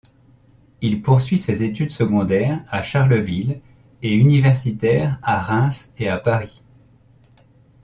Il poursuit ses études secondaires à Charleville et universitaires à Reims et à Paris.